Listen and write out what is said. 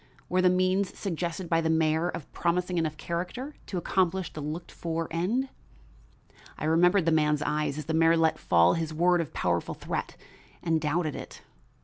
Were the means suggested by the mayor of promising enough character to accomplish the looked for end? I remembered the man's eyes as the mayor let fall his word of powerful threat, and doubted it.